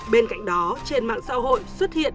bên cạnh đó trên mạng xã hội xuất hiện